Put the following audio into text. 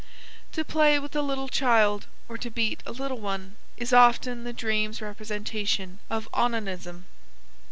To play with a little child or to beat a little one is often the dream's representation of onanism.